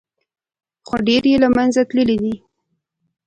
خو ډېر یې له منځه تللي دي.